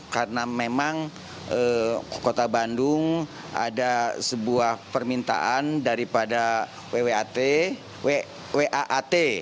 karena memang kota bandung ada sebuah permintaan daripada waat